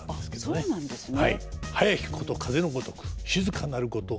あっそうなんですね。